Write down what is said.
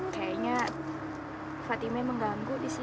kayaknya fatime mengganggu di sini